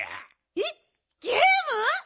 えっゲーム？